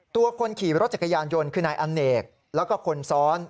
ตัวคนขี่รถจักรยานยนต์คือนายอเนกแล้วก็คนซ้อน